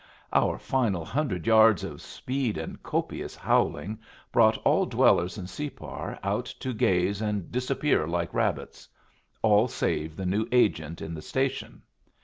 Our final hundred yards of speed and copious howling brought all dwellers in Separ out to gaze and disappear like rabbits all save the new agent in the station.